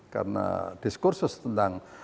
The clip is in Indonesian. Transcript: karena diskursus tentang